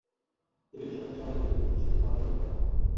দেবী বিসর্জনের সময় দেবীকে মিষ্টি, সিঁদুর, পান দিয়ে বরণ করা হয়।